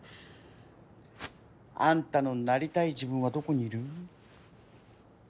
あんたのなりたい自分はどこにいる？